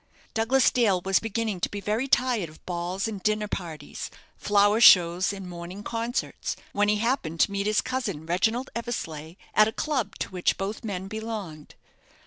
Douglas Dale was beginning to be very tired of balls and dinner parties, flower shows and morning concerts, when he happened to meet his cousin, Reginald Eversleigh, at a club to which both men belonged.